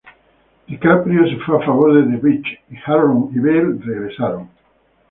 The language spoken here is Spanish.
DiCaprio se fue a favor de "The Beach" y Harron y Bale regresaron.